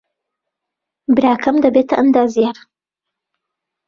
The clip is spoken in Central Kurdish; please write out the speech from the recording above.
براکەم دەبێتە ئەندازیار.